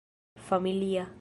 familia